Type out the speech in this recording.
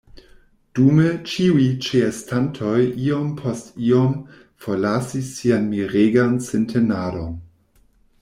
Dume ĉiuj ĉeestantoj iom post iom forlasis sian miregan sintenadon.